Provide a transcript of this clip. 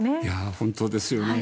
本当ですよね。